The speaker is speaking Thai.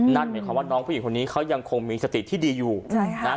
นั่นหมายความว่าน้องผู้หญิงคนนี้เขายังคงมีสติที่ดีอยู่ใช่ค่ะนะ